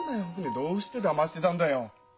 どうしてだましてたんだよ？